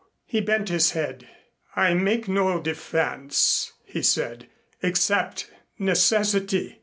He bent his head. "I make no defense," he said, "except necessity."